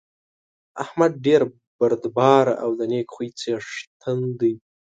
احمد ډېر بردباره او د نېک خوی څېښتن دی.